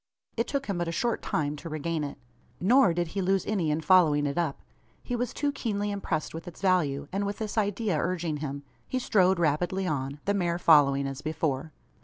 It took him but a short time to regain it. Nor did he lose any in following it up. He was too keenly impressed with its value; and with this idea urging him, he strode rapidly on, the mare following as before.